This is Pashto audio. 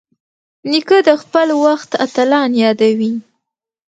نیکه د خپل وخت اتلان یادوي.